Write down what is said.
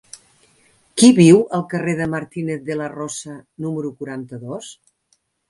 Qui viu al carrer de Martínez de la Rosa número quaranta-dos?